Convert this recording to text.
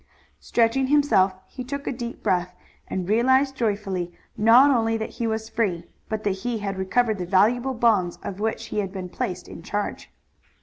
Stretching himself he took a deep breath and realized joyfully not only that he was free, but that he had recovered the valuable bonds of which he had been placed in charge.